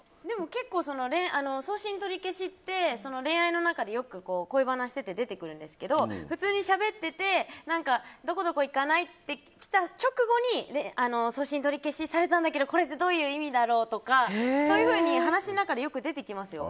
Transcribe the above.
結構、送信取り消しって恋愛の中で恋バナしていて出てくるんですけど普通にしゃべっててどこどこ行かない？って来た直後に送信取り消しされたんだけどこれってどういう意味だろうってそういうふうに話の中でよく出てきますよ。